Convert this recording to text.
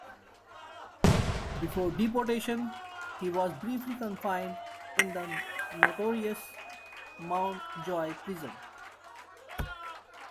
Before deportation he was briefly confined in the notorious Mountjoy Prison.